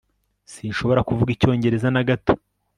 sinshobora kuvuga icyongereza na gato